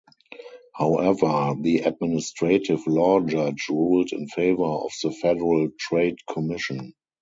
However, the Administrative Law Judge ruled in favor of the Federal Trade Commission.